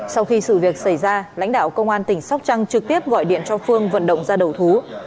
sau khi sự việc xảy ra lãnh đạo công an tỉnh sóc trăng trực tiếp gọi điện cho phương vận động ra đầu thú